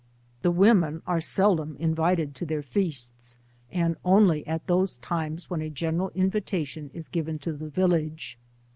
The women are seldom invited to their feasts, and only at those times when a general invitation is given to the village.